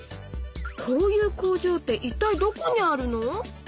こういう工場って一体どこにあるの？